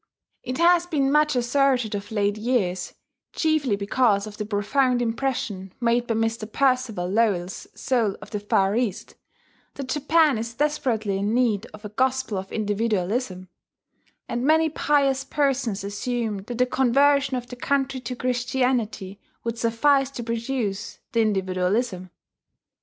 It has been much asserted of late years (chiefly because of the profound impression made by Mr. Percival Lowell's Soul of the Far East) that Japan is desperately in need of a Gospel of Individualism; and many pious persons assume that the conversion of the country to Christianity would suffice to produce the Individualism.